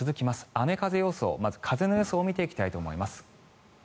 雨風予想、まず風の予想を見ていきたいと思います。